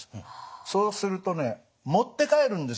そうするとね持って帰るんですよ